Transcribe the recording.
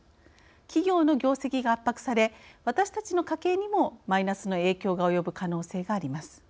企業の業績が圧迫され私たちの家計にもマイナスの影響が及ぶ可能性があります。